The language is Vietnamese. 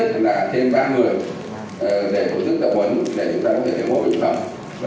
để tổ chức tập huấn để chúng ta có thể lấy mẫu bệnh phẩm